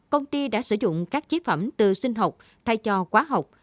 công ty đã sử dụng các chế phẩm từ sinh học thay cho quá học